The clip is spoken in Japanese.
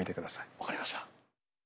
分かりました。